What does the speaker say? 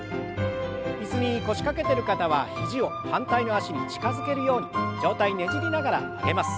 椅子に腰掛けてる方は肘を反対の脚に近づけるように上体ねじりながら曲げます。